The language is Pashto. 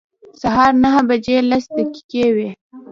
سهار نهه بجې لس دقیقې وې.